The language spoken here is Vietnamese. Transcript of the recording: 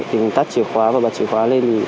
thì mình tắt chìa khóa và bật chìa khóa lên